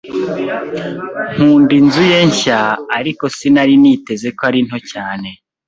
Nkunda inzu ye nshya, ariko sinari niteze ko ari nto cyane.